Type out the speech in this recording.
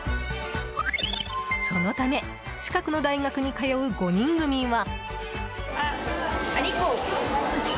そのため近くの大学に通う５人組は。